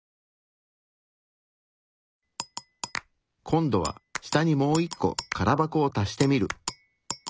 今度は下にもう１個空箱を足してみる。